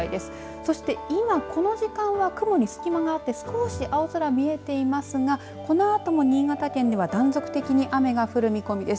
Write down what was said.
そして今、この時間は雲に隙間があって少し青空が見えていますがこのあとも新潟県では断続的に雨が降る見込みです。